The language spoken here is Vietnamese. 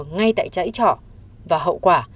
ngay tại chãi trọ và hậu quả